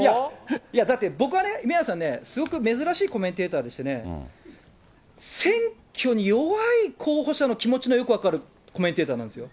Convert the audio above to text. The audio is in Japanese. いや、だって僕はね、宮根さんね、すごく珍しいコメンテーターでしてね、選挙に弱い候補者の気持ちのよく分かるコメンテーターなんですよ。